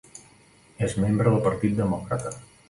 És membre del Partit Demòcrata.